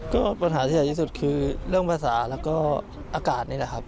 ก็ปัญหาที่ใหญ่ที่สุดคือเรื่องภาษาแล้วก็อากาศนี่แหละครับ